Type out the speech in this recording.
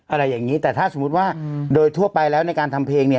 อะไรอย่างนี้แต่ถ้าสมมุติว่าโดยทั่วไปแล้วในการทำเพลงเนี่ย